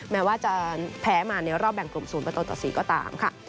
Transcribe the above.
แม้ว่าจะแพ้มาในรอบแบ่งกลุ่ม๐ประตูต่อ๔ก็ตามค่ะ